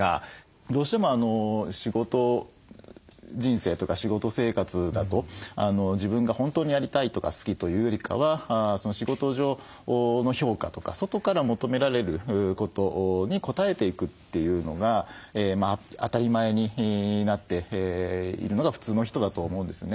どうしても仕事人生とか仕事生活だと自分が本当にやりたいとか好きというよりかは仕事上の評価とか外から求められることに応えていくというのが当たり前になっているのが普通の人だと思うんですね。